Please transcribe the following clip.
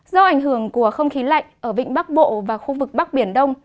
do ảnh hưởng của không khí lạnh ở vịnh bắc bộ và khu vực bắc biển đông